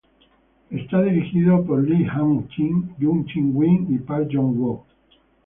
Es dirigido por Lee Hwan-jin, Jung Chul-min y Park Yong-woo.